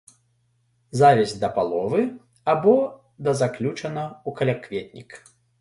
Завязь да паловы або да заключана ў калякветнік.